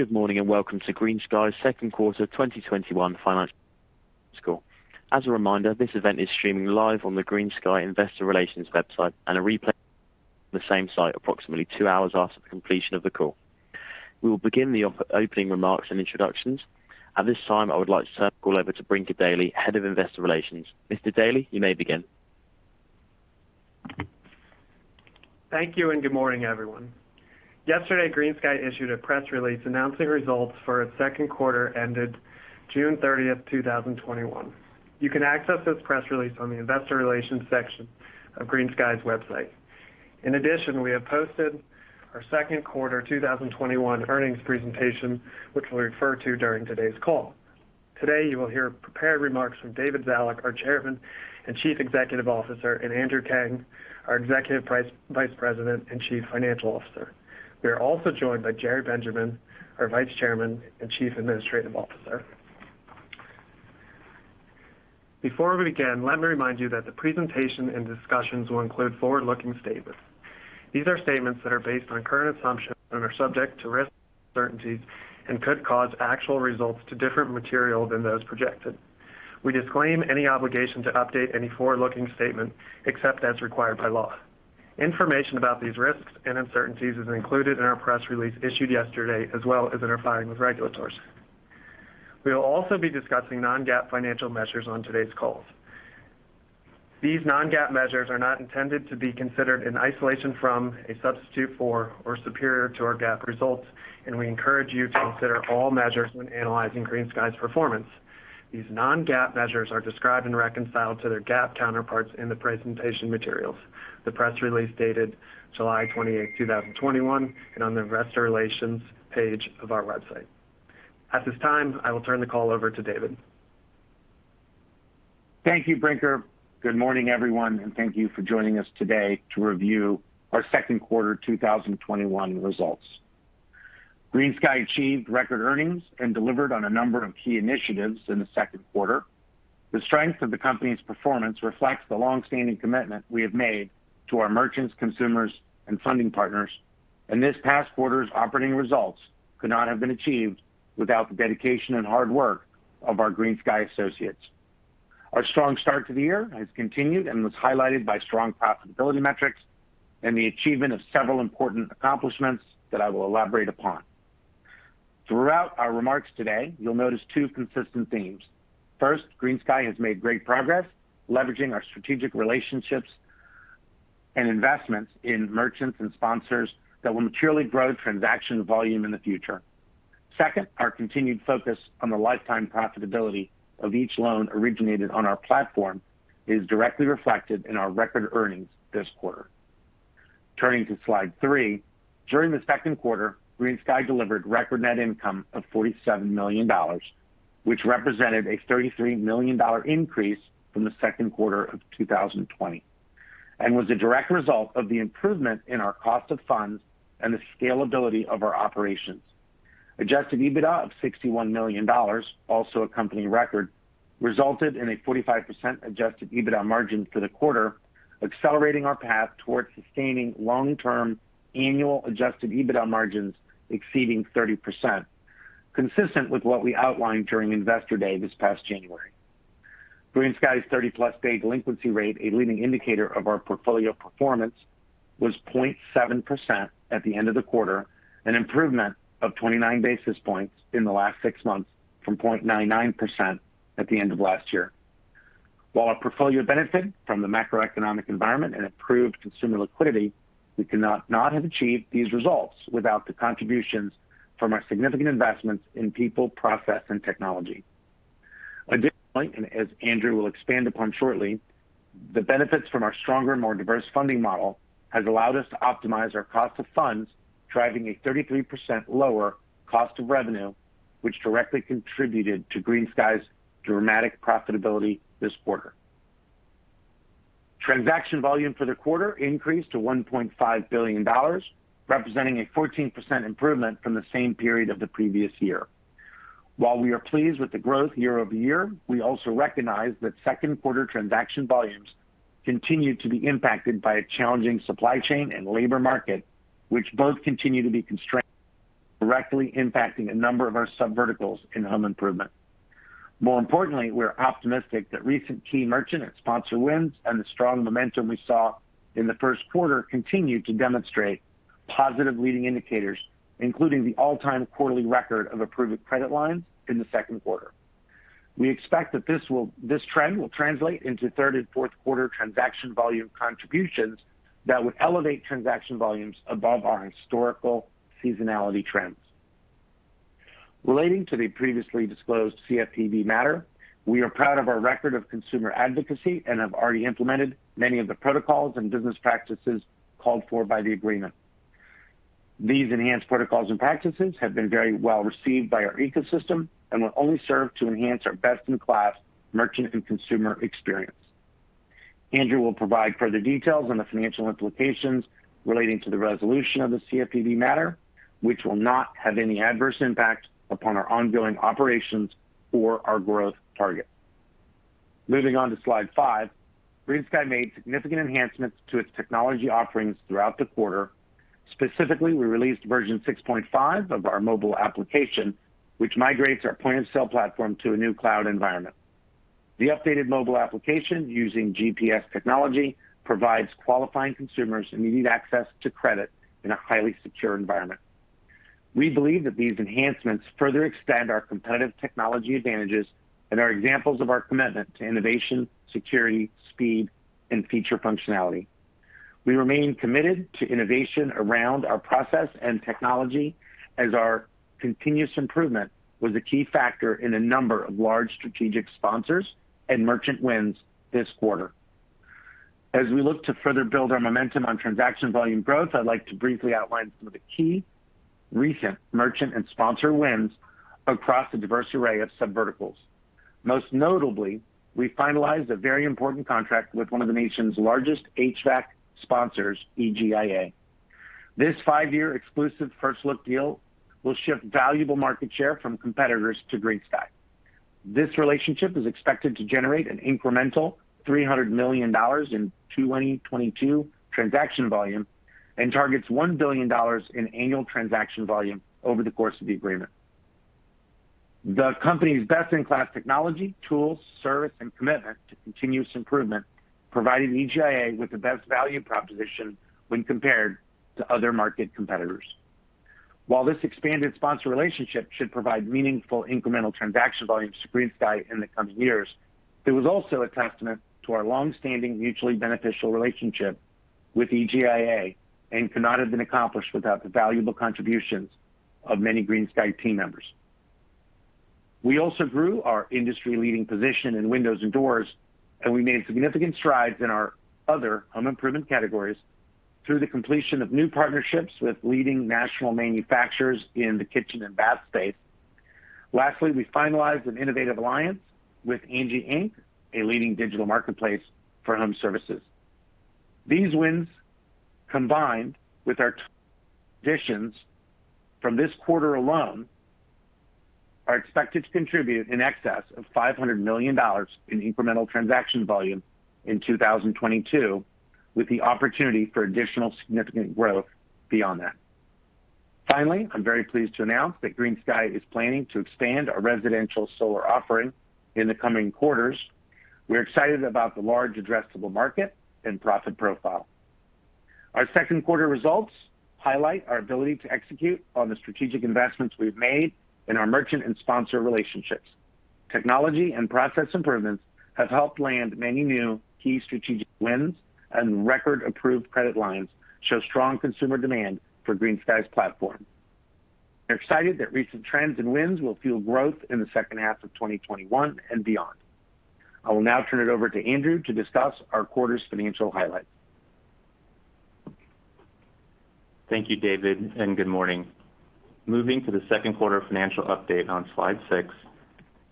Good morning, and welcome to GreenSky's Second Quarter 2021 Financial Call. As a reminder, this event is streaming live on the GreenSky investor relations website and a replay on the same site approximately two hours after the completion of the call. We will begin the opening remarks and introductions. At this time, I would like to turn the call over to Brinker Dailey, head of investor relations. Mr. Dailey, you may begin. Thank you, and good morning, everyone. Yesterday, GreenSky issued a press release announcing results for its second quarter ended June 30th, 2021. You can access this press release on the investor relations section of GreenSky's website. In addition, we have posted our second quarter 2021 earnings presentation, which we'll refer to during today's call. Today, you will hear prepared remarks from David Zalik, our Chairman and Chief Executive Officer, and Andrew Kang, our Executive Vice President and Chief Financial Officer. We are also joined by Gerry Benjamin, our Vice Chairman and Chief Administrative Officer. Before we begin, let me remind you that the presentation and discussions will include forward-looking statements. These are statements that are based on current assumptions and are subject to risks and uncertainties and could cause actual results to differ material than those projected. We disclaim any obligation to update any forward-looking statement except as required by law. Information about these risks and uncertainties is included in our press release issued yesterday, as well as in our filing with regulators. We will also be discussing non-GAAP financial measures on today's call. These non-GAAP measures are not intended to be considered in isolation from, a substitute for, or superior to our GAAP results, and we encourage you to consider all measures when analyzing GreenSky's performance. These non-GAAP measures are described and reconciled to their GAAP counterparts in the presentation materials, the press release dated July 28, 2021, and on the investor relations page of our website. At this time, I will turn the call over to David. Thank you, Brinker. Good morning, everyone, and thank you for joining us today to review our second quarter 2021 results. GreenSky achieved record earnings and delivered on a number of key initiatives in the second quarter. The strength of the company's performance reflects the longstanding commitment we have made to our merchants, consumers, and funding partners. This past quarter's operating results could not have been achieved without the dedication and hard work of our GreenSky associates. Our strong start to the year has continued and was highlighted by strong profitability metrics and the achievement of several important accomplishments that I will elaborate upon. Throughout our remarks today, you'll notice two consistent themes. First, GreenSky has made great progress leveraging our strategic relationships and investments in merchants and sponsors that will materially grow transaction volume in the future. Second, our continued focus on the lifetime profitability of each loan originated on our platform is directly reflected in our record earnings this quarter. Turning to slide three. During the second quarter, GreenSky delivered record net income of $47 million, which represented a $33 million increase from the second quarter of 2020, and was a direct result of the improvement in our cost of funds and the scalability of our operations. Adjusted EBITDA of $61 million, also a company record, resulted in a 45% adjusted EBITDA margin for the quarter, accelerating our path towards sustaining long-term annual adjusted EBITDA margins exceeding 30%, consistent with what we outlined during Investor Day this past January. GreenSky's 30+ day delinquency rate, a leading indicator of our portfolio performance, was 0.7% at the end of the quarter, an improvement of 29 basis points in the last six months from 0.99% at the end of last year. While our portfolio benefited from the macroeconomic environment and improved consumer liquidity, we could not have achieved these results without the contributions from our significant investments in people, process, and technology. Additionally, and as Andrew will expand upon shortly, the benefits from our stronger and more diverse funding model has allowed us to optimize our cost of funds, driving a 33% lower cost of revenue, which directly contributed to GreenSky's dramatic profitability this quarter. Transaction volume for the quarter increased to $1.5 billion, representing a 14% improvement from the same period of the previous year. While we are pleased with the growth year-over-year, we also recognize that second quarter transaction volumes continue to be impacted by a challenging supply chain and labor market, which both continue to be constrained, directly impacting a number of our subverticals in home improvement. More importantly, we're optimistic that recent key merchant and sponsor wins and the strong momentum we saw in the first quarter continue to demonstrate positive leading indicators, including the all-time quarterly record of approved credit lines in the second quarter. We expect that this trend will translate into third and fourth quarter transaction volume contributions that would elevate transaction volumes above our historical seasonality trends. Relating to the previously disclosed CFPB matter, we are proud of our record of consumer advocacy and have already implemented many of the protocols and business practices called for by the agreement. These enhanced protocols and practices have been very well received by our ecosystem and will only serve to enhance our best-in-class merchant and consumer experience. Andrew will provide further details on the financial implications relating to the resolution of the CFPB matter, which will not have any adverse impact upon our ongoing operations or our growth targets. Moving on to slide five. GreenSky made significant enhancements to its technology offerings throughout the quarter. Specifically, we released version 6.5 of our mobile application, which migrates our point-of-sale platform to a new cloud environment. The updated mobile application, using GPS technology, provides qualifying consumers immediate access to credit in a highly secure environment. We believe that these enhancements further extend our competitive technology advantages and are examples of our commitment to innovation, security, speed, and feature functionality. We remain committed to innovation around our process and technology as our continuous improvement was a key factor in a number of large strategic sponsors and merchant wins this quarter. As we look to further build our momentum on transaction volume growth, I'd like to briefly outline some of the key recent merchant and sponsor wins across a diverse array of subverticals. Most notably, we finalized a very important contract with one of the nation's largest HVAC sponsors, EGIA. This five-year exclusive first look deal will shift valuable market share from competitors to GreenSky. This relationship is expected to generate an incremental $300 million in 2022 transaction volume and targets $1 billion in annual transaction volume over the course of the agreement. The company's best-in-class technology, tools, service, and commitment to continuous improvement provided EGIA with the best value proposition when compared to other market competitors. While this expanded sponsor relationship should provide meaningful incremental transaction volume to GreenSky in the coming years, it was also a testament to our longstanding mutually beneficial relationship with EGIA and could not have been accomplished without the valuable contributions of many GreenSky team members. We also grew our industry-leading position in windows and doors, and we made significant strides in our other home improvement categories through the completion of new partnerships with leading national manufacturers in the kitchen and bath space. Lastly, we finalized an innovative alliance with Angi Inc, a leading digital marketplace for home services. These wins, combined with our additions from this quarter alone, are expected to contribute in excess of $500 million in incremental transaction volume in 2022, with the opportunity for additional significant growth beyond that. I'm very pleased to announce that GreenSky is planning to expand our residential solar offering in the coming quarters. We're excited about the large addressable market and profit profile. Our second quarter results highlight our ability to execute on the strategic investments we've made in our merchant and sponsor relationships. Technology and process improvements have helped land many new key strategic wins, record approved credit lines show strong consumer demand for GreenSky's platform. We're excited that recent trends and wins will fuel growth in the second half of 2021 and beyond. I will now turn it over to Andrew to discuss our quarter's financial highlights. Thank you, David, and good morning. Moving to the second quarter financial update on slide six.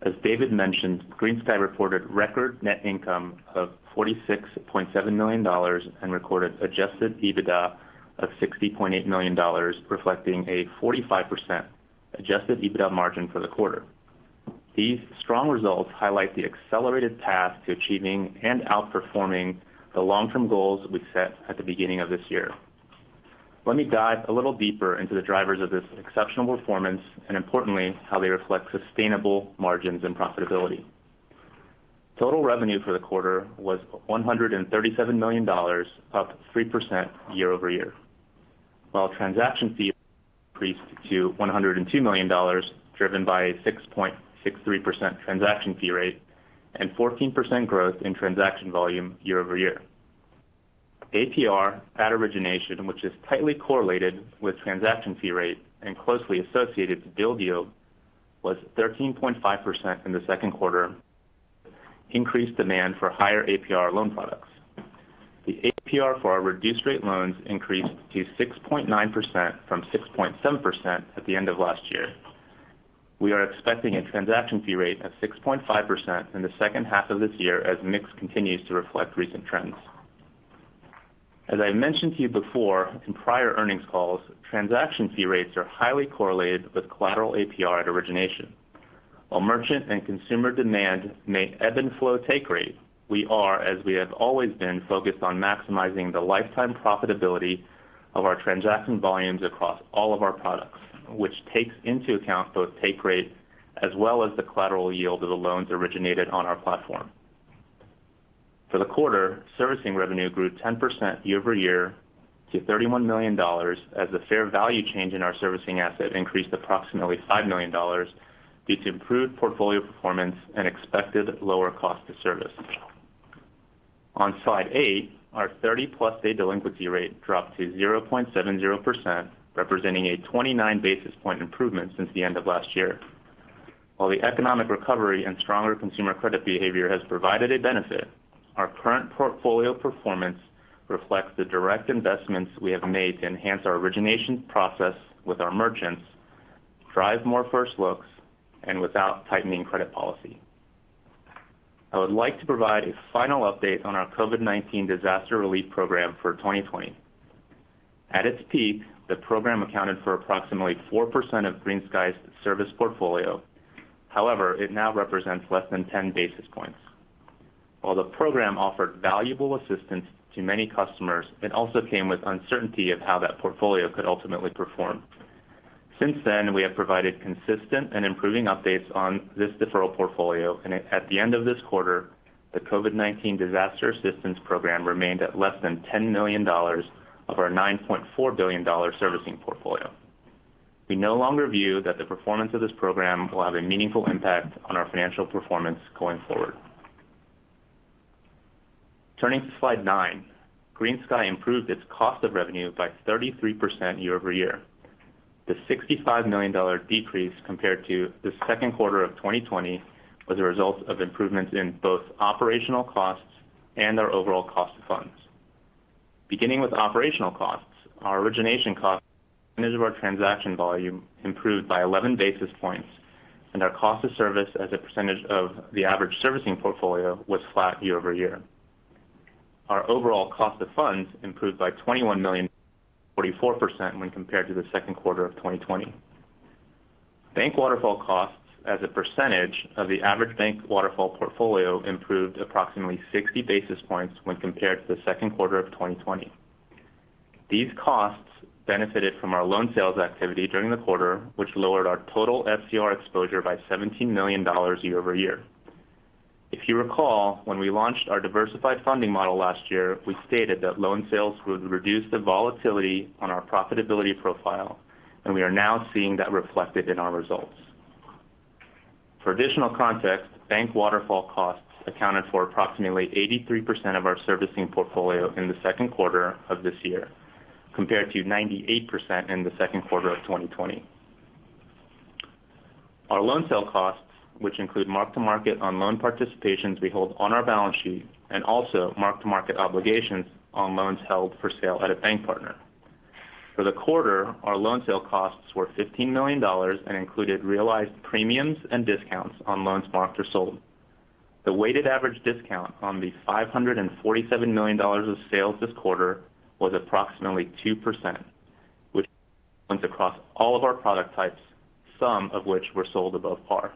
As David mentioned, GreenSky reported record net income of $46.7 million and recorded adjusted EBITDA of $60.8 million, reflecting a 45% adjusted EBITDA margin for the quarter. These strong results highlight the accelerated path to achieving and outperforming the long-term goals we've set at the beginning of this year. Let me dive a little deeper into the drivers of this exceptional performance and importantly, how they reflect sustainable margins and profitability. Total revenue for the quarter was $137 million, up 3% year-over-year, while transaction fees increased to $102 million, driven by a 6.63% transaction fee rate and 14% growth in transaction volume year-over-year. APR at origination, which is tightly correlated with transaction fee rate and closely associated to bill yield, was 13.5% in the second quarter, increased demand for higher APR loan products. The APR for our reduced-rate loans increased to 6.9% from 6.7% at the end of last year. We are expecting a transaction fee rate of 6.5% in the second half of this year as mix continues to reflect recent trends. As I mentioned to you before in prior earnings calls, transaction fee rates are highly correlated with collateral APR at origination. While merchant and consumer demand may ebb and flow take rate, we are, as we have always been, focused on maximizing the lifetime profitability of our transaction volumes across all of our products, which takes into account both take rate as well as the collateral yield of the loans originated on our platform. For the quarter, servicing revenue grew 10% year-over-year to $31 million as the fair value change in our servicing asset increased approximately $5 million due to improved portfolio performance and expected lower cost of service. On slide eight, our 30+ day delinquency rate dropped to 0.70%, representing a 29-basis point improvement since the end of last year. While the economic recovery and stronger consumer credit behavior has provided a benefit, our current portfolio performance reflects the direct investments we have made to enhance our origination process with our merchants, drive more first looks, and without tightening credit policy. I would like to provide a final update on our COVID-19 disaster relief program for 2020. At its peak, the program accounted for approximately 4% of GreenSky's service portfolio. However, it now represents less than 10 basis points. While the program offered valuable assistance to many customers, it also came with uncertainty of how that portfolio could ultimately perform. Since then, we have provided consistent and improving updates on this deferral portfolio. At the end of this quarter, the COVID-19 Disaster Assistance Program remained at less than $10 million of our $9.4 billion servicing portfolio. We no longer view that the performance of this program will have a meaningful impact on our financial performance going forward. Turning to slide nine. GreenSky improved its cost of revenue by 33% year-over-year. The $65 million decrease compared to the second quarter of 2020 was a result of improvements in both operational costs and our overall cost of funds. Beginning with operational costs, our origination costs of our transaction volume improved by 11 basis points, and our cost of service as a percentage of the average servicing portfolio was flat year-over-year. Our overall cost of funds improved by $21 million, 44% when compared to the second quarter of 2020. Bank waterfall costs as a percentage of the average bank waterfall portfolio improved approximately 60 basis points when compared to the second quarter of 2020. These costs benefited from our loan sales activity during the quarter, which lowered our total FCR exposure by $17 million year-over-year. If you recall, when we launched our diversified funding model last year, we stated that loan sales would reduce the volatility on our profitability profile, and we are now seeing that reflected in our results. For additional context, bank waterfall costs accounted for approximately 83% of our servicing portfolio in the second quarter of this year, compared to 98% in the second quarter of 2020. Our loan sale costs, which include mark-to-market on loan participations we hold on our balance sheet, and also mark-to-market obligations on loans held for sale at a bank partner. For the quarter, our loan sale costs were $15 million and included realized premiums and discounts on loans sponsored sold. The weighted average discount on the $547 million of sales this quarter was approximately 2%, which went across all of our product types, some of which were sold above par.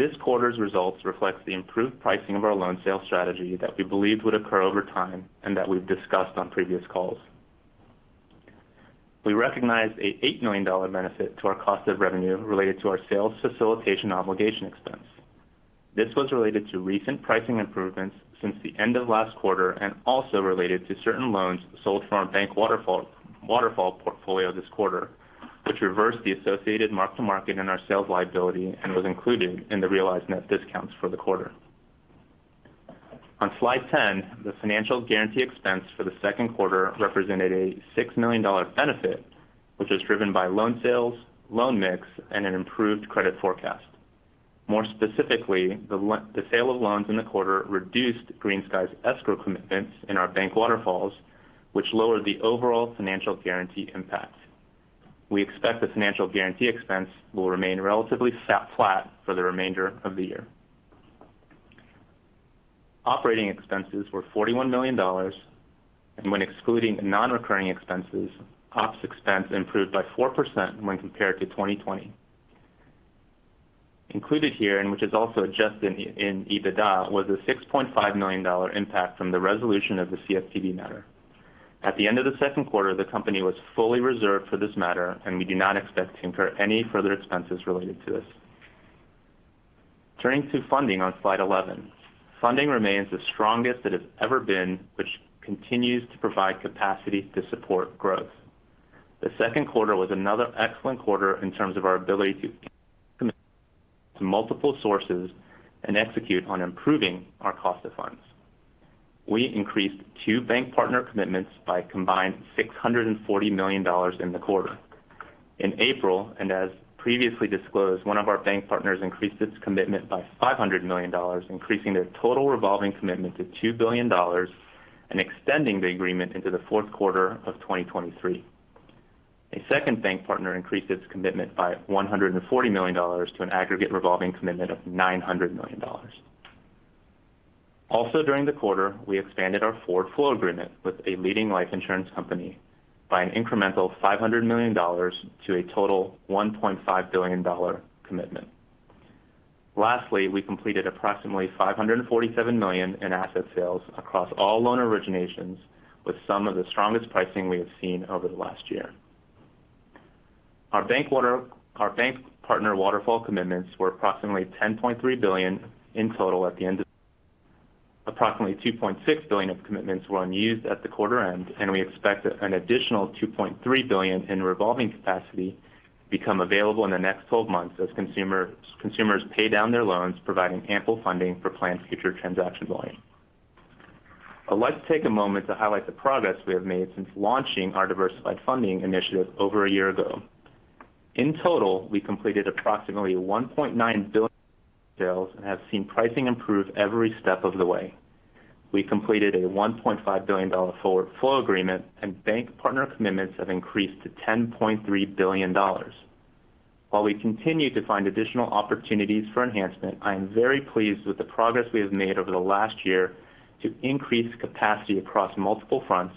This quarter's results reflects the improved pricing of our loan sales strategy that we believed would occur over time and that we've discussed on previous calls. We recognized an $8 million benefit to our cost of revenue related to our sales facilitation obligation expense. This was related to recent pricing improvements since the end of last quarter, and also related to certain loans sold from our bank waterfall portfolio this quarter, which reversed the associated mark-to-market in our sales liability and was included in the realized net discounts for the quarter. On slide 10, the financial guarantee expense for the second quarter represented a $6 million benefit, which was driven by loan sales, loan mix, and an improved credit forecast. More specifically, the sale of loans in the quarter reduced GreenSky's escrow commitments in our bank waterfalls, which lowered the overall financial guarantee impact. We expect the financial guarantee expense will remain relatively flat for the remainder of the year. Operating expenses were $41 million. When excluding non-recurring expenses, ops expense improved by 4% when compared to 2020. Included here, and which is also adjusted in EBITDA, was a $6.5 million impact from the resolution of the CFPB matter. At the end of the second quarter, the company was fully reserved for this matter, and we do not expect to incur any further expenses related to this. Turning to funding on slide 11. Funding remains the strongest it has ever been, which continues to provide capacity to support growth. The second quarter was another excellent quarter in terms of our ability to multiple sources and execute on improving our cost of funds. We increased two bank partner commitments by a combined $640 million in the quarter. In April, and as previously disclosed, one of our bank partners increased its commitment by $500 million, increasing their total revolving commitment to $2 billion and extending the agreement into the fourth quarter of 2023. A second bank partner increased its commitment by $140 million to an aggregate revolving commitment of $900 million. Also during the quarter, we expanded our forward flow agreement with a leading life insurance company by an incremental $500 million to a total $1.5 billion commitment. Lastly, we completed approximately $547 million in asset sales across all loan originations with some of the strongest pricing we have seen over the last year. Our bank partner waterfall commitments were approximately $10.3 billion in total at the end of. Approximately $2.6 billion of commitments were unused at the quarter end, and we expect an additional $2.3 billion in revolving capacity become available in the next 12 months as consumers pay down their loans, providing ample funding for planned future transaction volume. I'd like to take a moment to highlight the progress we have made since launching our diversified funding initiative over a year ago. In total, we completed approximately $1.9 billion sales and have seen pricing improve every step of the way. We completed a $1.5 billion forward flow agreement and bank partner commitments have increased to $10.3 billion. While we continue to find additional opportunities for enhancement, I am very pleased with the progress we have made over the last year to increase capacity across multiple fronts.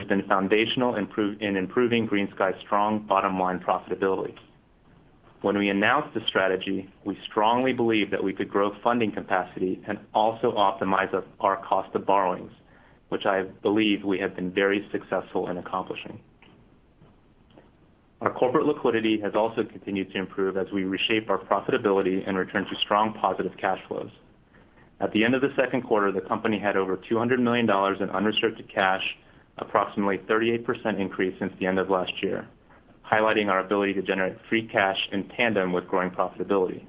It's been foundational in improving GreenSky's strong bottom-line profitability. When we announced this strategy, we strongly believed that we could grow funding capacity and also optimize our cost of borrowings, which I believe we have been very successful in accomplishing. Our corporate liquidity has also continued to improve as we reshape our profitability and return to strong positive cash flows. At the end of the second quarter, the company had over $200 million in unrestricted cash, approximately a 38% increase since the end of last year, highlighting our ability to generate free cash in tandem with growing profitability.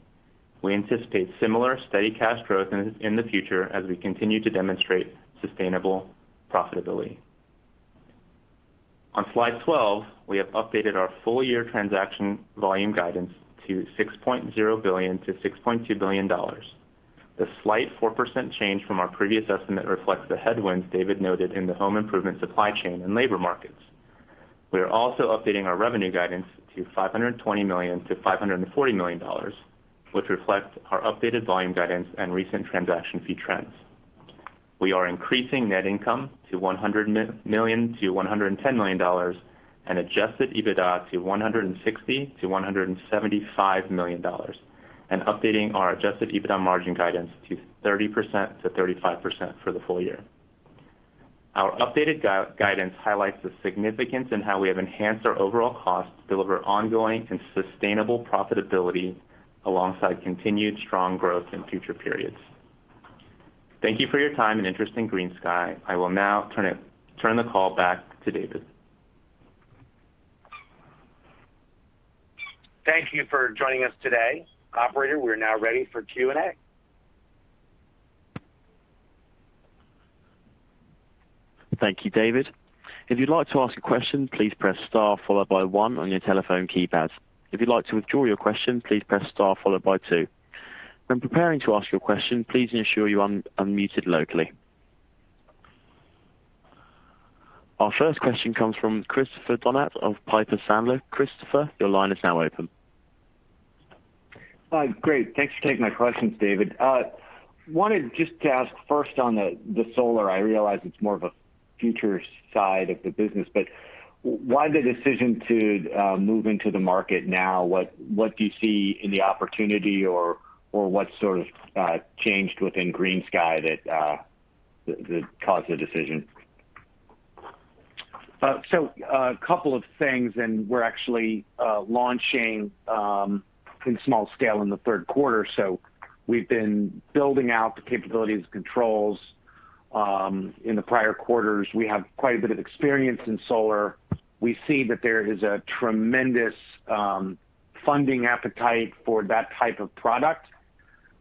We anticipate similar steady cash growth in the future as we continue to demonstrate sustainable profitability. On slide 12, we have updated our full-year transaction volume guidance to $6.0 billion-$6.2 billion. The slight 4% change from our previous estimate reflects the headwinds David noted in the home improvement supply chain and labor markets. We are also updating our revenue guidance to $520 million to $540 million, which reflects our updated volume guidance and recent transaction fee trends. We are increasing net income to $100 million to $110 million and adjusted EBITDA to $160 million to $175 million, and updating our adjusted EBITDA margin guidance to 30%-35% for the full-year. Our updated guidance highlights the significance in how we have enhanced our overall costs to deliver ongoing and sustainable profitability alongside continued strong growth in future periods. Thank you for your time and interest in GreenSky. I will now turn the call back to David. Thank you for joining us today. Operator, we're now ready for Q&A. Thank you, David. If you'd like to ask a question, please press star followed by one on your telephone keypad. If you'd like to withdraw your question, please press star followed by two. When preparing to ask your question, please ensure you unmute it locally. Our first question comes from Christopher Donat of Piper Sandler. Christopher, your line is now open. Great. Thanks for taking my questions, David. Wanted just to ask first on the solar. I realize it's more of a future side of the business, but why the decision to move into the market now? What do you see in the opportunity? What sort of changed within GreenSky that caused the decision? A couple of things, and we're actually launching in small scale in the third quarter. We've been building out the capabilities controls in the prior quarters. We have quite a bit of experience in solar. We see that there is a tremendous funding appetite for that type of product.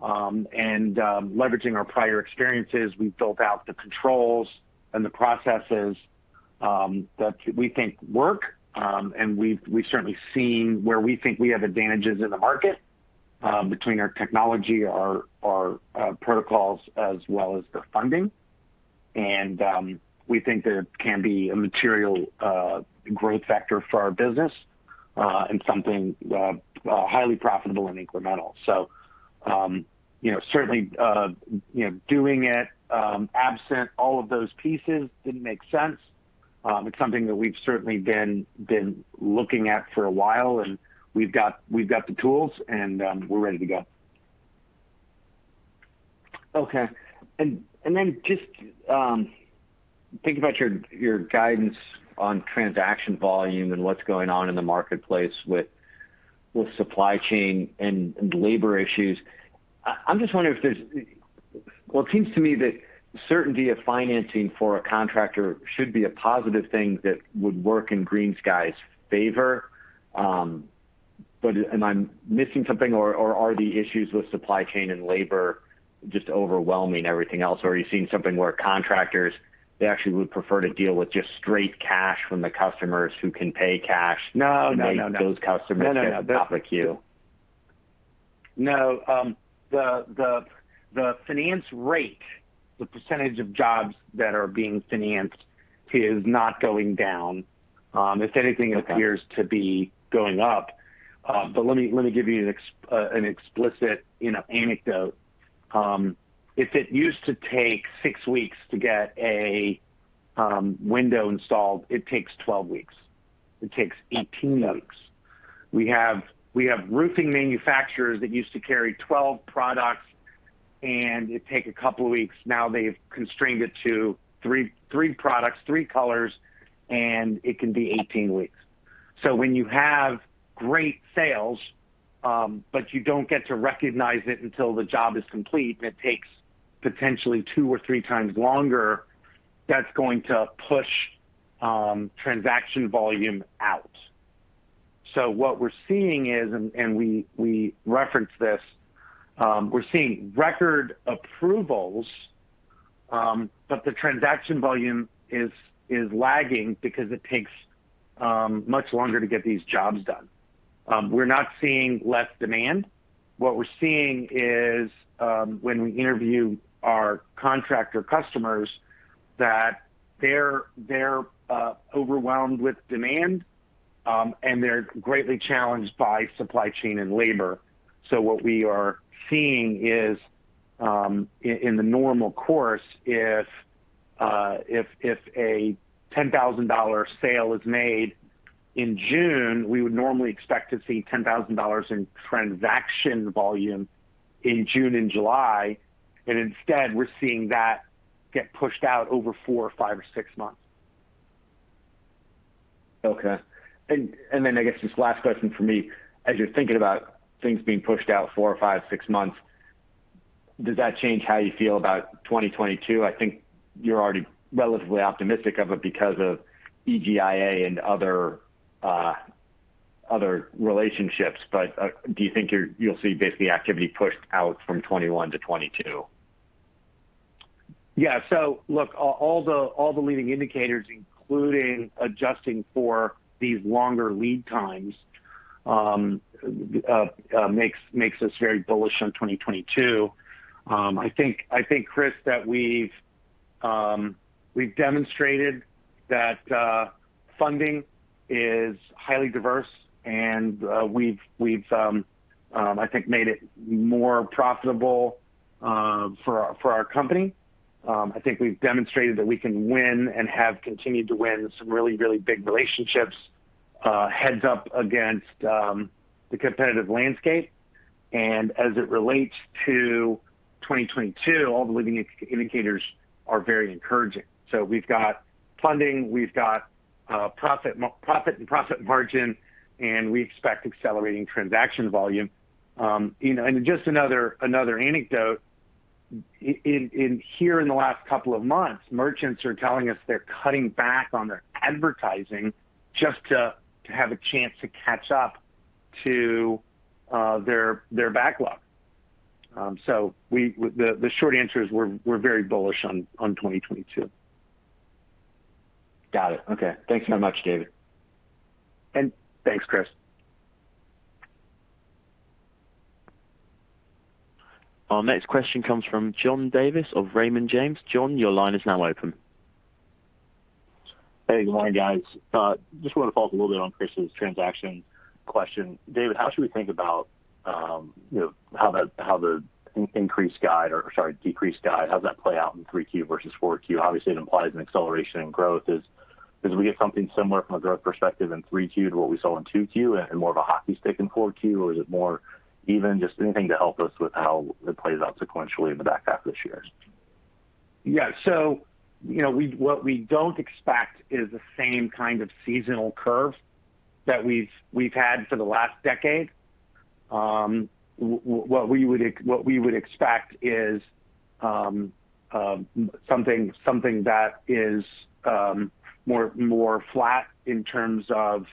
Leveraging our prior experiences, we've built out the controls and the processes that we think work. We've certainly seen where we think we have advantages in the market between our technology, our protocols, as well as the funding. We think that it can be a material growth factor for our business and something highly profitable and incremental. Certainly doing it absent all of those pieces didn't make sense. It's something that we've certainly been looking at for a while, and we've got the tools and we're ready to go. Okay. Just thinking about your guidance on transaction volume and what's going on in the marketplace with supply chain and labor issues. I'm just wondering Well, it seems to me that certainty of financing for a contractor should be a positive thing that would work in GreenSky's favor. Am I missing something, or are the issues with supply chain and labor just overwhelming everything else? Are you seeing something where contractors, they actually would prefer to deal with just straight cash from the customers who can pay cash? No Make those customers. No. The finance rate, the percentage of jobs that are being financed, is not going down. If anything. Okay It appears to be going up. Let me give you an explicit anecdote. If it used to take six weeks to get a window installed, it takes 12 weeks. It takes 18 weeks. We have roofing manufacturers that used to carry 12 products, and it'd take a couple of weeks. Now they've constrained it to three products, three colors, and it can be 18 weeks. When you have great sales, but you don't get to recognize it until the job is complete, and it takes potentially 2 or 3x longer, that's going to push transaction volume out. What we're seeing is, and we reference this, we're seeing record approvals, but the transaction volume is lagging because it takes much longer to get these jobs done. We're not seeing less demand. What we're seeing is when we interview our contractor customers, that they're overwhelmed with demand, and they're greatly challenged by supply chain and labor. What we are seeing is in the normal course, if a $10,000 sale is made in June, we would normally expect to see $10,000 in transaction volume in June and July. Instead, we're seeing that get pushed out over four or five or sx months. Okay. Then I guess this is the last question from me. As you're thinking about things being pushed out four, five, six months, does that change how you feel about 2022? I think you're already relatively optimistic of it because of EGIA and other relationships. Do you think you'll see basically activity pushed out from 2021 to 2022? Yeah. Look, all the leading indicators, including adjusting for these longer lead times makes us very bullish on 2022. I think, Chris, that we've demonstrated that funding is highly diverse and we've, I think, made it more profitable for our company. I think we've demonstrated that we can win and have continued to win some really, really big relationships heads up against the competitive landscape. As it relates to 2022, all the leading indicators are very encouraging. We've got funding, we've got profit and profit margin, and we expect accelerating transaction volume. Just another anecdote. Here in the last couple of months, merchants are telling us they're cutting back on their advertising just to have a chance to catch up to their backlog. The short answer is we're very bullish on 2022. Got it. Okay. Thanks so much, David. And thanks, Chris. Our next question comes from John Davis of Raymond James. John, your line is now open. Hey, good morning, guys. Just want to follow up a little bit on Chris's transaction question. David, how should we think about how the increased guide or, sorry, decreased guide, how does that play out in 3Q versus 4Q? Obviously, it implies an acceleration in growth. Do we get something similar from a growth perspective in 3Q to what we saw in 2Q and more of a hockey stick in 4Q, or is it more even just anything to help us with how it plays out sequentially in the back half of this year? Yeah. What we don't expect is the same kind of seasonal curve that we've had for the last decade. What we would expect is something that is more flat in terms of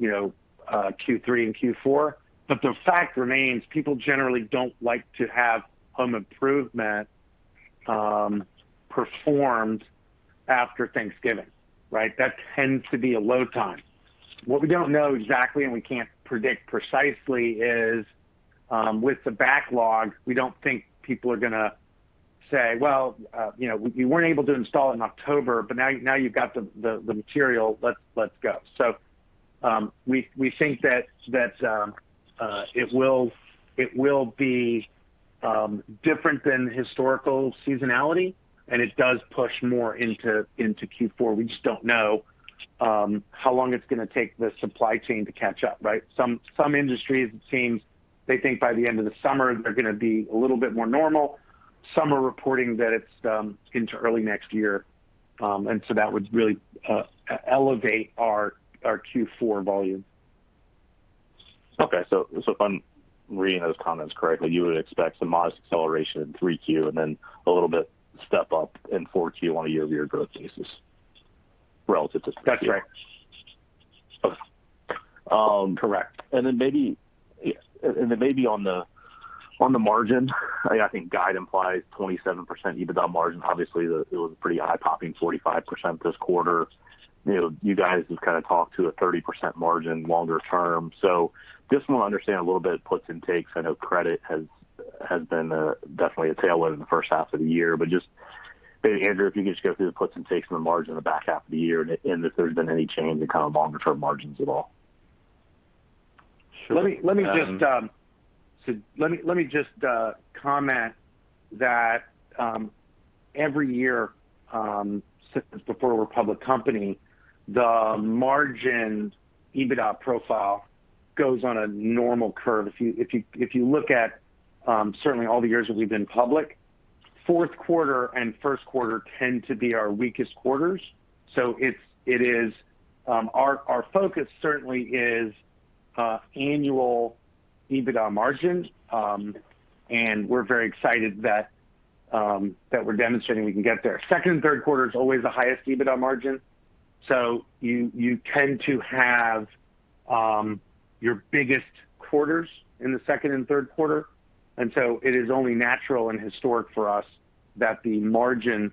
Q3 and Q4. The fact remains people generally don't like to have home improvement performed after Thanksgiving, right? That tends to be a low time. What we don't know exactly, and we can't predict precisely, is with the backlog, we don't think people are going to say, "Well, you weren't able to install it in October, but now you've got the material. Let's go." We think that it will be different than historical seasonality, and it does push more into Q4. We just don't know how long it's going to take the supply chain to catch up, right? Some industries, it seems they think by the end of the summer they're going to be a little bit more normal. Some are reporting that it's into early next year. That would really elevate our Q4 volume. Okay. If I'm reading those comments correctly, you would expect some modest acceleration in 3Q and then a little bit step up in 4Q on a year-over-year growth basis relative to. That's right. Q4. Correct. Then maybe on the margin, I think guide implies 27% EBITDA margin. Obviously, it was a pretty eye-popping 45% this quarter. You guys have kind of talked to a 30% margin longer term. Just want to understand a little bit puts and takes. I know credit has been definitely a tailwind in the first half of the year, but just maybe Andrew, if you could just go through the puts and takes on the margin in the back half of the year and if there's been any change in kind of longer-term margins at all. Let me just comment that every year since before we're a public company, the margin EBITDA profile goes on a normal curve. If you look at certainly all the years that we've been public, fourth quarter and first quarter tend to be our weakest quarters. Our focus certainly is annual EBITDA margins, and we're very excited that we're demonstrating we can get there. Second and third quarter is always the highest EBITDA margin. You tend to have your biggest quarters in the second and third quarter, and so it is only natural and historic for us that the margin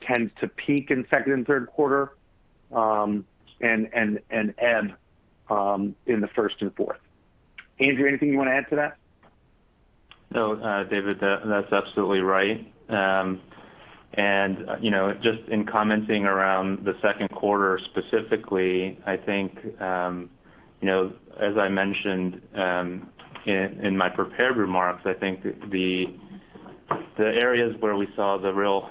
tends to peak in second and third quarter and in the first and fourth. Andrew, anything you want to add to that? No, David, that's absolutely right. Just in commenting around the second quarter specifically, I think, as I mentioned in my prepared remarks, I think the areas where we saw the real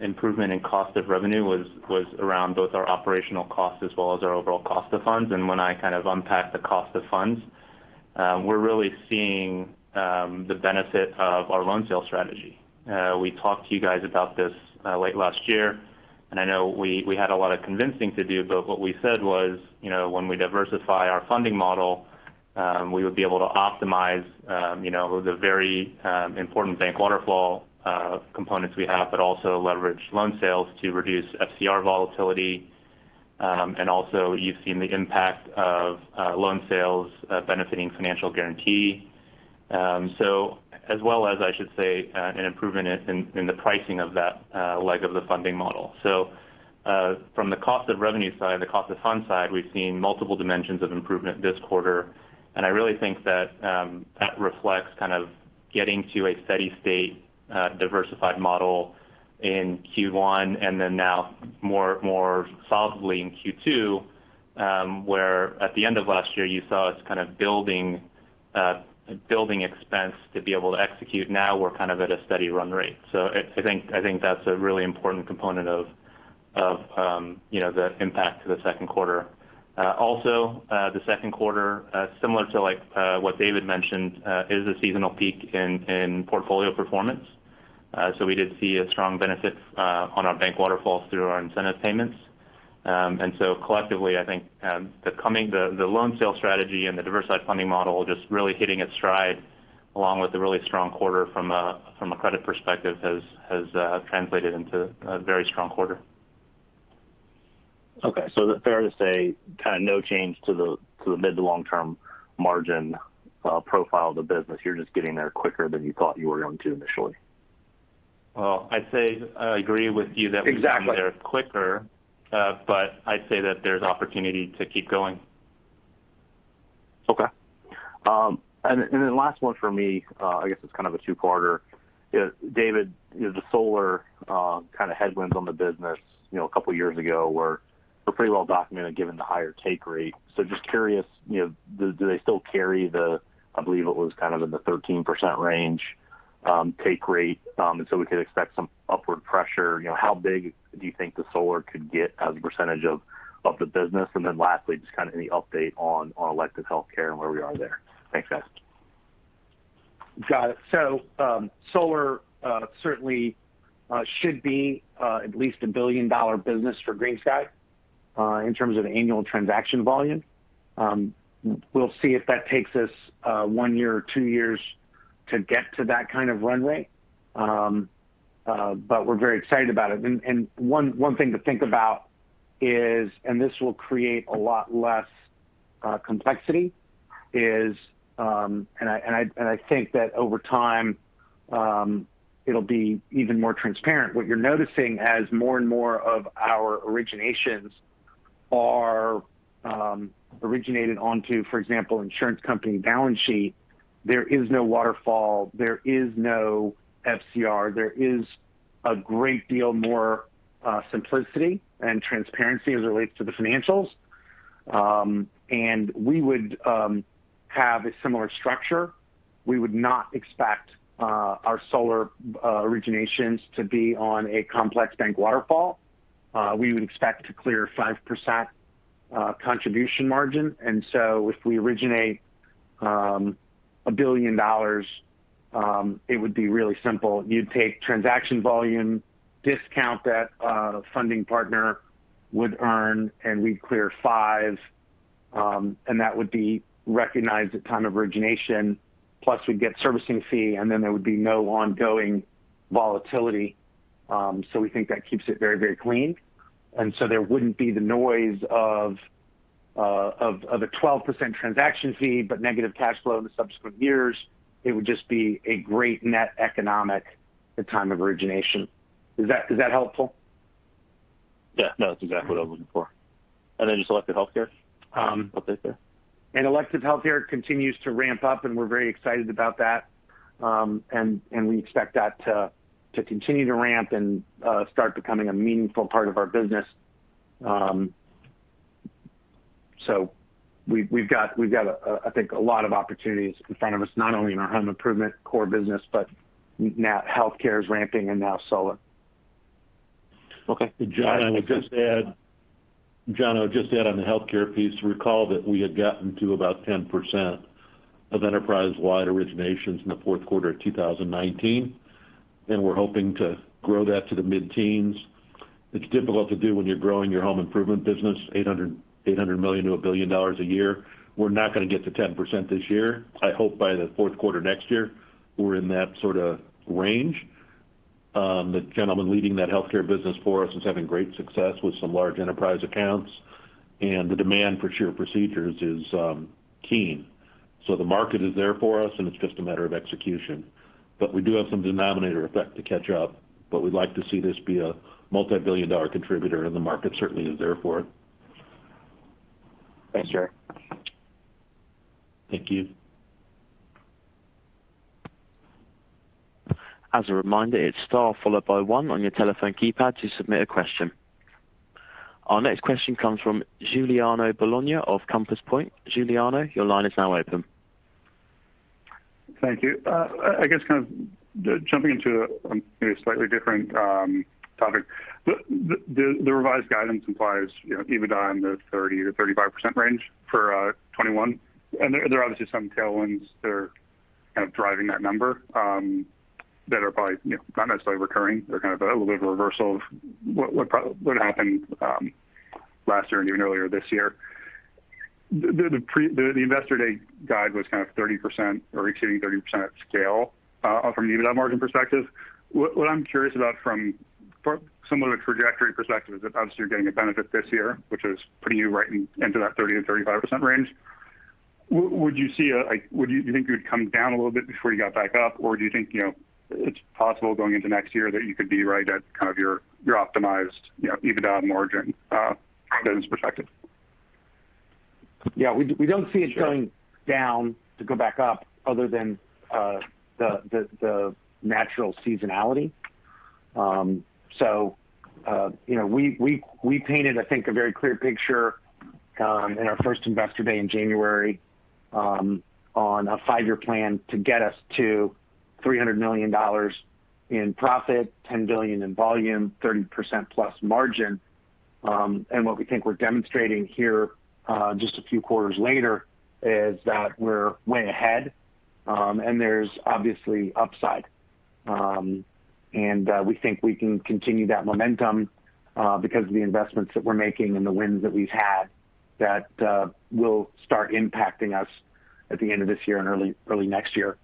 improvement in cost of revenue was around both our operational costs as well as our overall cost of funds. When I kind of unpack the cost of funds, we're really seeing the benefit of our loan sale strategy. We talked to you guys about this late last year, and I know we had a lot of convincing to do, but what we said was when we diversify our funding model, we would be able to optimize the very important bank waterfall components we have. Also leverage loan sales to reduce FCR volatility. Also, you've seen the impact of loan sales benefiting financial guarantee. As well as, I should say, an improvement in the pricing of that leg of the funding model. From the cost of revenue side, the cost of funds side, we've seen multiple dimensions of improvement this quarter. I really think that reflects kind of getting to a steady state diversified model in Q1, and then now more solidly in Q2, where at the end of last year, you saw us kind of building expense to be able to execute. Now we're kind of at a steady run rate. I think that's a really important component of the impact to the second quarter. Also, the second quarter, similar to what David mentioned, is a seasonal peak in portfolio performance. We did see a strong benefit on our bank waterfalls through our incentive payments. Collectively, I think the loan sale strategy and the diversified funding model just really hitting its stride along with a really strong quarter from a credit perspective has translated into a very strong quarter. Okay, is it fair to say kind of no change to the mid to long-term margin profile of the business? You're just getting there quicker than you thought you were going to initially. Well, I'd say I agree with you that. Exactly We're getting there quicker. I'd say that there's opportunity to keep going. Okay. Last one from me, I guess it's kind of a two-parter. David, the solar kind of headwinds on the business a couple of years ago were pretty well documented given the higher take rate. Just curious, do they still carry the, I believe it was kind of in the 13% range, take rate, and so we could expect some upward pressure? How big do you think the solar could get as a percentage of the business? Lastly, just kind of any update on elective healthcare and where we are there. Thanks, guys. Got it. Solar certainly should be at least a billion-dollar business for GreenSky in terms of annual transaction volume. We'll see if that takes us one year or two years to get to that kind of runway. We're very excited about it. One thing to think about is, and this will create a lot less complexity is, and I think that over time, it'll be even more transparent. What you're noticing as more and more of our originations are originated onto, for example, insurance company balance sheet, there is no waterfall, there is no FCR. There is a great deal more simplicity and transparency as it relates to the financials. We would have a similar structure. We would not expect our solar originations to be on a complex bank waterfall. We would expect to clear 5% contribution margin. If we originate $1 billion, it would be really simple. You'd take transaction volume, discount that a funding partner would earn, and we'd clear 5%, and that would be recognized at time of origination. Plus, we'd get servicing fee, and then there would be no ongoing volatility. We think that keeps it very clean. There wouldn't be the noise of a 12% transaction fee, but negative cash flow in the subsequent years. It would just be a great net economic at time of origination. Is that helpful? Yeah. No, that's exactly what I was looking for. Just elective healthcare? Update there. Elective healthcare continues to ramp up, and we're very excited about that. We expect that to continue to ramp and start becoming a meaningful part of our business. We've got a lot of opportunities in front of us, not only in our home improvement core business, but now healthcare is ramping and now solar. Okay. John, I would just add on the healthcare piece, recall that we had gotten to about 10% of enterprise-wide originations in the fourth quarter of 2019, and we're hoping to grow that to the mid-teens. It's difficult to do when you're growing your home improvement business $800 million to $1 billion a year. We're not going to get to 10% this year. I hope by the fourth quarter next year, we're in that sort of range. The gentleman leading that healthcare business for us is having great success with some large enterprise accounts, the demand for sheer procedures is keen. The market is there for us, and it's just a matter of execution. We do have some denominator effect to catch up, but we'd like to see this be a multibillion-dollar contributor, and the market certainly is there for it. Thanks, Gerry. Thank you. As a reminder, it's star followed by one on your telephone keypad to submit a question. Our next question comes from Giuliano Bologna of Compass Point. Giuliano, your line is now open. Thank you. I guess kind of jumping into a slightly different topic. The revised guidance implies EBITDA in the 30%-35% range for 2021, and there are obviously some tailwinds that are kind of driving that number that are probably not necessarily recurring. They're kind of a little bit of a reversal of what happened last year and even earlier this year. The Investor Day guide was kind of 30% or exceeding 30% at scale from an EBITDA margin perspective. What I'm curious about from somewhat of a trajectory perspective is that obviously you're getting a benefit this year, which is putting you right into that 30%-35% range. Do you think you would come down a little bit before you got back up, or do you think it's possible going into next year that you could be right at kind of your optimized EBITDA margin guidance perspective? Yeah. We don't see it going down to go back up other than the natural seasonality. We painted, I think, a very clear picture in our first Investor Day in January on a five-year plan to get us to $300 million in profit, $10 billion in volume, 30%+ margin. What we think we're demonstrating here, just a few quarters later, is that we're way ahead, and there's obviously upside. We think we can continue that momentum because of the investments that we're making and the wins that we've had that will start impacting us at the end of this year and early next year.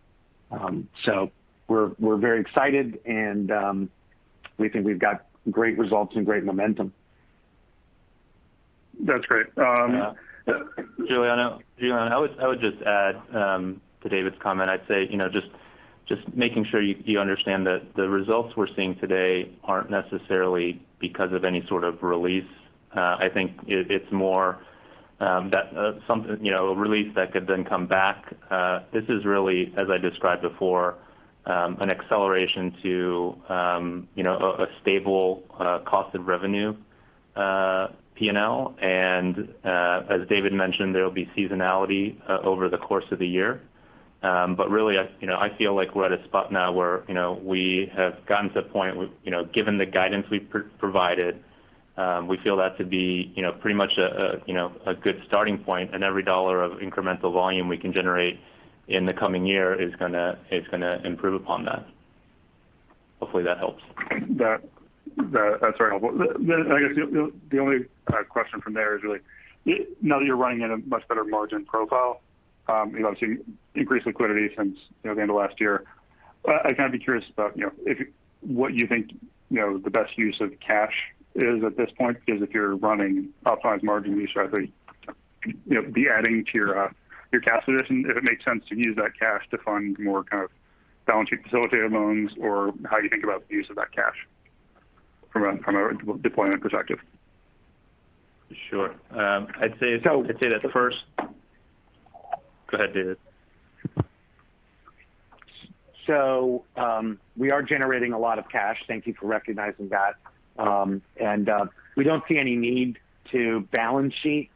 We're very excited, and we think we've got great results and great momentum. That's great. Giuliano, I would just add to David's comment. I'd say, just making sure you understand that the results we're seeing today aren't necessarily because of any sort of release. I think it's more that a release that could then come back. This is really, as I described before, an acceleration to a stable cost of revenue P&L. As David mentioned, there'll be seasonality over the course of the year. Really, I feel like we're at a spot now where we have gotten to the point where, given the guidance we've provided, we feel that to be pretty much a good starting point. Every dollar of incremental volume we can generate in the coming year is going to improve upon that. Hopefully that helps. That's very helpful. I guess the only question from there is really, now that you're running at a much better margin profile, you've obviously increased liquidity since the end of last year. I'd kind of be curious about what you think the best use of cash is at this point, because if you're running optimized margin, you should, I think, be adding to your cash position. If it makes sense to use that cash to fund more kind of balance sheet facilitated loans, or how you think about the use of that cash from a deployment perspective. Sure. I'd say that. So Go ahead, David. We are generating a lot of cash. Thank you for recognizing that. We don't see any need to balance sheet.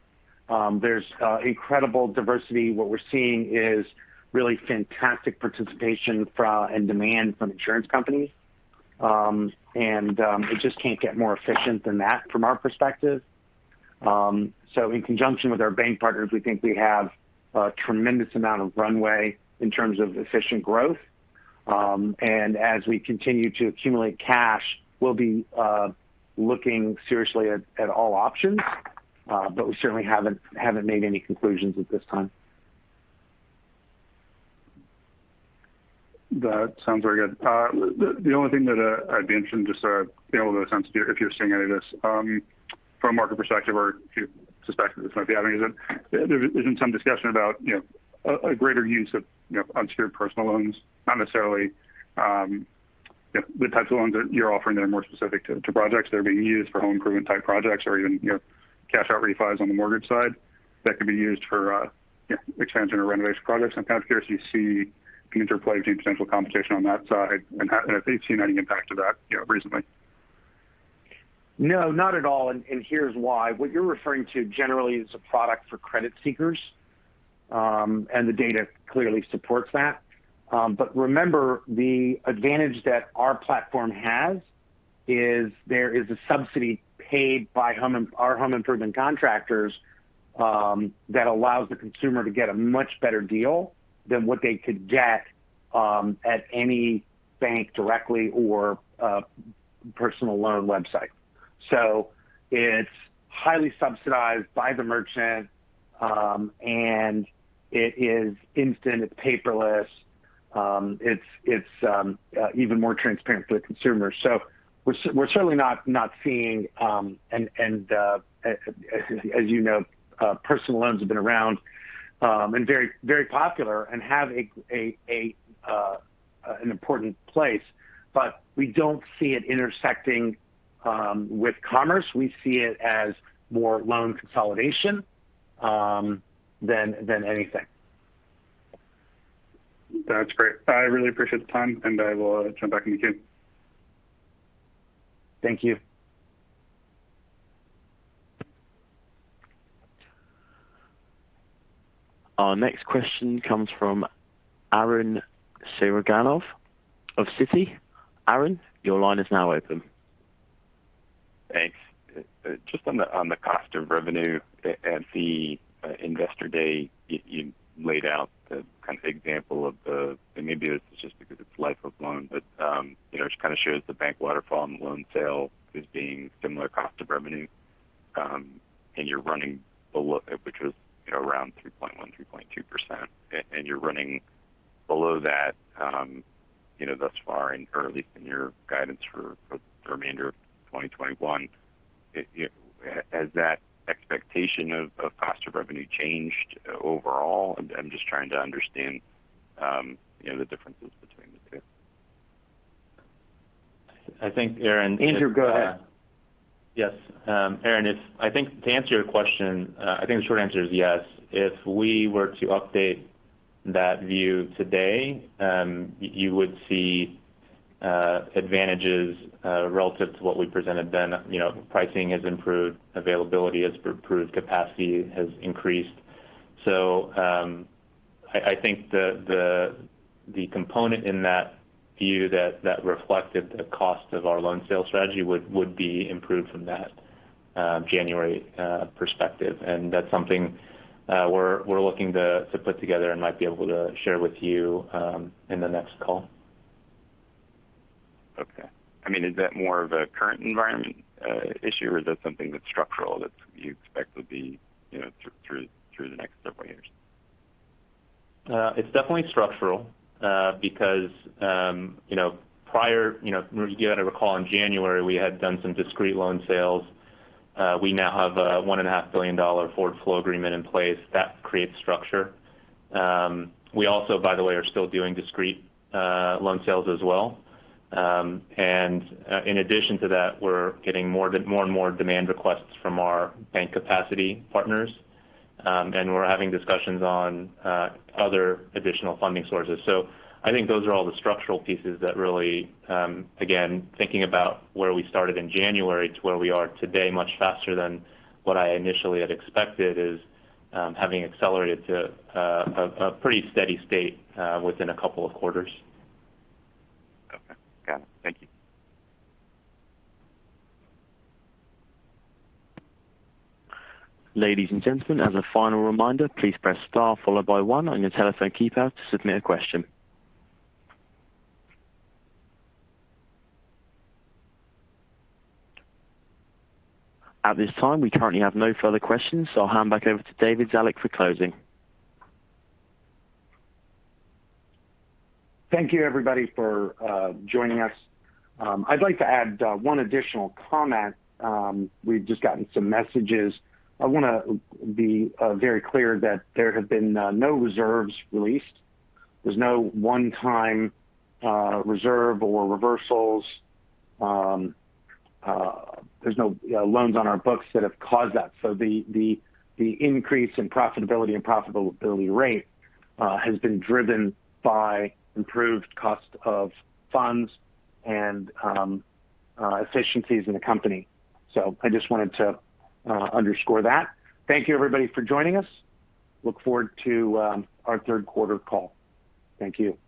There's incredible diversity. What we're seeing is really fantastic participation and demand from insurance companies. It just can't get more efficient than that from our perspective. In conjunction with our bank partners, we think we have a tremendous amount of runway in terms of efficient growth. As we continue to accumulate cash, we'll be looking seriously at all options. We certainly haven't made any conclusions at this time. That sounds very good. The only thing that I'd mentioned, just to be able to get a sense if you're seeing any of this from a market perspective or if you suspect that this might be happening, is that there's been some discussion about a greater use of unsecured personal loans. Not necessarily the types of loans that you're offering that are more specific to projects that are being used for home improvement type projects or even cash-out refis on the mortgage side that could be used for expansion or renovation projects. I'm kind of curious if you see the interplay between potential competition on that side and if you've seen any impact of that recently. No, not at all. Here's why. What you're referring to generally is a product for credit seekers, and the data clearly supports that. Remember, the advantage that our platform has is there is a subsidy paid by our home improvement contractors that allows the consumer to get a much better deal than what they could get at any bank directly or personal loan website. It's highly subsidized by the merchant, and it is instant, it's paperless. It's even more transparent to the consumer. As you know personal loans have been around and very, very popular, and have an important place. We don't see it intersecting with commerce. We see it as more loan consolidation than anything. That's great. I really appreciate the time, and I will check back with you again. Thank you. Our next question comes from Arren Cyganovich of Citi. Arren, your line is now open. Thanks. Just on the cost of revenue. At the investor day, you laid out the kind of example of the, and maybe it's just because it's life of loan, but it kind of shows the bank waterfall and the loan sale as being similar cost of revenue. Which was around 3.1%, 3.2%. You're running below that thus far, or at least in your guidance for the remainder of 2021. Has that expectation of cost of revenue changed overall? I'm just trying to understand the differences between the two. I think, Arren. Andrew, go ahead. Yes. Arren, I think to answer your question, I think the short answer is yes. If we were to update that view today, you would see advantages relative to what we presented then. Pricing has improved, availability has improved, capacity has increased. I think the component in that view that reflected the cost of our loan sale strategy would be improved from that January perspective. That's something we're looking to put together and might be able to share with you in the next call. Okay. Is that more of a current environment issue, or is that something that's structural that you expect would be through the next several years? It's definitely structural. Prior, you've got to recall in January, we had done some discrete loan sales. We now have a $1.5 billion forward flow agreement in place. That creates structure. We also, by the way, are still doing discrete loan sales as well. In addition to that, we're getting more and more demand requests from our bank capacity partners. We're having discussions on other additional funding sources. I think those are all the structural pieces that really, again, thinking about where we started in January to where we are today much faster than what I initially had expected is having accelerated to a pretty steady state within a couple of quarters. Okay. Got it. Thank you. Ladies and gentlemen, as a final reminder, please press star followed by one on your telephone keypad to submit a question. At this time, we currently have no further questions. I'll hand back over to David Zalik for closing. Thank you everybody for joining us. I'd like to add one additional comment. We've just gotten some messages. I want to be very clear that there have been no reserves released. There's no one-time reserve or reversals. There's no loans on our books that have caused that. The increase in profitability and profitability rate has been driven by improved cost of funds and efficiencies in the company. I just wanted to underscore that. Thank you everybody for joining us. Look forward to our third quarter call. Thank you.